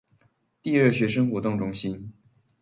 第二學生活動中心